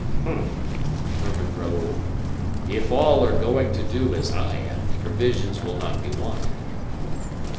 "Humph!" murmured Raoul; "if all are going to do as I am, provisions will not be wanted."